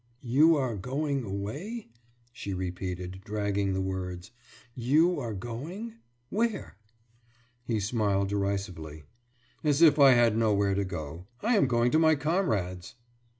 « »You are going away?« she repeated, dragging the words. »You are going? Where?« He smiled derisively. »As if I had nowhere to go! I am going to my comrades.